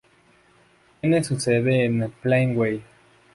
Tiene su sede en Plainview.